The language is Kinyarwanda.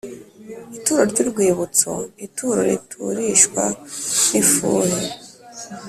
ituro ry urwibutso ituro riturishwa n ifuhe